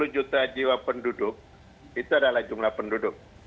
dua puluh juta jiwa penduduk itu adalah jumlah penduduk